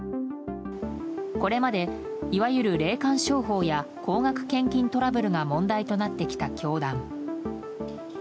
これまで、いわゆる霊感商法や高額献金トラブルが問題となってきた教団。